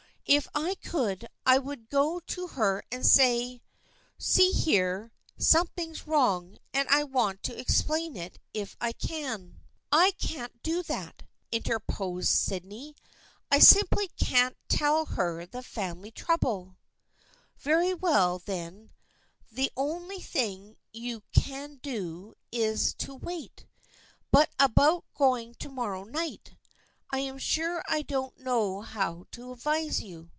If I could, I would go to her and say, 1 See here, some thing's wrong and I want to explain it if I can.' " 118 THE FRIENDSHIP OF ANNE "I can't do that," interposed Sydney. " I simply can't tell her the family trouble." " Very well, then, the only thing you can do is to wait. But about going to morrow night. I am sure I don't know how to advise you."